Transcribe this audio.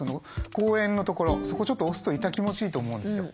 コウエンのところそこちょっと押すと痛気持ちいいと思うんですよ。